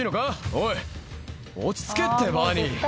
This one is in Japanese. おい落ち着けってバーニー。